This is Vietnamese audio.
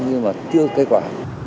nhưng mà chưa kết quả